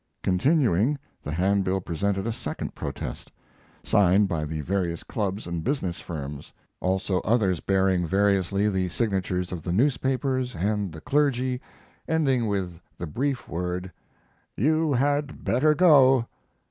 Continuing, the handbill presented a second protest, signed by the various clubs and business firms; also others bearing variously the signatures of the newspapers, and the clergy, ending with the brief word: You had better go.